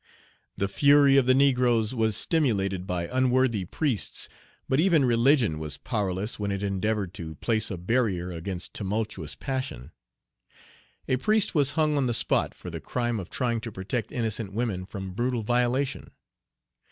The fury of the negroes was stimulated by unworthy priests; but even religion was powerless when it endeavored to place a barrier against tumultuous passion. A priest was hung on the spot for the crime of trying to protect innocent women from brutal violation.